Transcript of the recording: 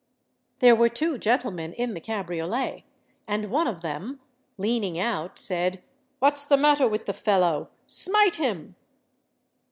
There were two gentlemen in the cabriolet; and one of them, leaning out, said, "What's the matter with the fellow—smite him!"